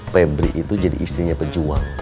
febri itu jadi istrinya pejuang